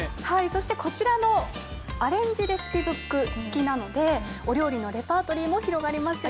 そしてこちらのアレンジレシピブック付きなのでお料理のレパートリーも広がりますよ。